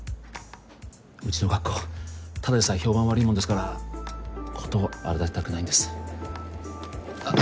うちの学校ただでさえ評判悪いもんですから事を荒立てたくないんですあっ